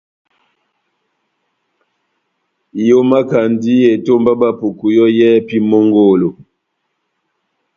Ihomakandi etomba ya Bapuku yɔ́ yɛ́hɛ́pi mongolo.